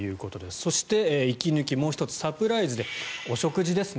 そして、息抜きもう１つサプライズでお食事ですね。